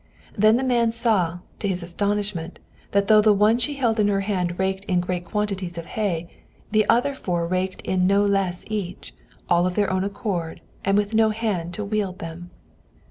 Then the man saw, to his astonishment, that though the one she held in her hand raked in great quantities of hay, the other four raked in no less each, all of their own accord, and with no hand to wield them.